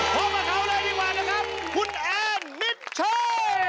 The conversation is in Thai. พบกับเขาเลยดีกว่านะครับคุณแอนมิชเช่